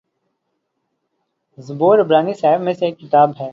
زبور عبرانی صحائف میں سے ایک کتاب ہے